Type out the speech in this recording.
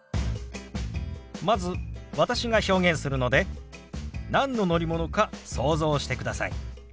まず私が表現するので何の乗り物か想像してください。